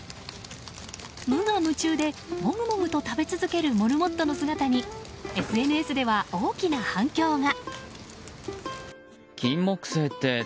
無我夢中でモグモグと食べ続けるモルモットの姿にＳＮＳでは、大きな反響が。